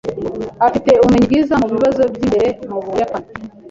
Afite ubumenyi bwiza mubibazo byimbere mubuyapani.